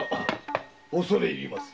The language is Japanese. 恐れ入ります。